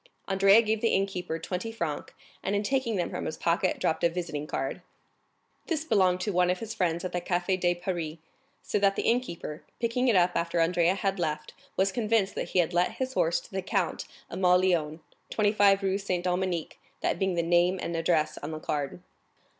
Andrea gave the innkeeper twenty francs, and in taking them from his pocket dropped a visiting card. This belonged to one of his friends at the Café de Paris, so that the innkeeper, picking it up after Andrea had left, was convinced that he had let his horse to the Count of Mauléon, 25 Rue Saint Dominique, that being the name and address on the card.